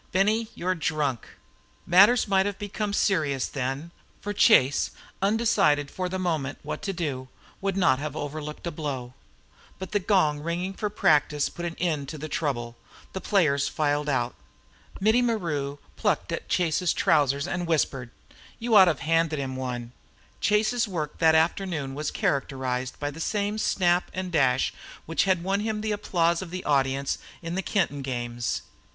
"Benny, you're drunk." Matters might have become serious then, for Chase, undecided for the moment what to do, would not have overlooked a blow, but the gong ringing for practice put an end to the trouble. The players filed out. Mittie Maru plucked at Chase's trousers and whispered, "You ought to 've handed 'em one!" Chase's work that afternoon was characterized by the same snap and dash which had won him the applause of the audience in the Kenton games.